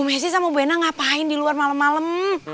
bu messi sama bu bena ngapain di luar malem malem